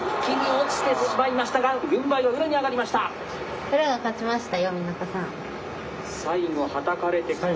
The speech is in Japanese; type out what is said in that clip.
落ちてしまいましたが軍配は宇良に上がりました。